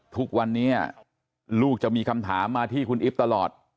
ทุกวันนี้ลูกจะมีคำถามมาที่คุณอิ๊บตลอด